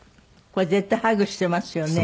これ絶対ハグしていますよね。